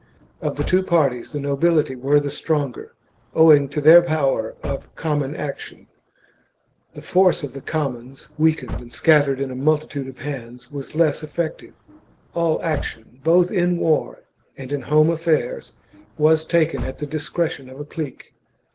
Of the two parties the nobility were the stronger, owing to their power of common action ; the force of the commons, weakened and scattered in a multitude of hands, was less eBtc tive. All action, both in war and in home affairs, was taken at the discretion of a clique.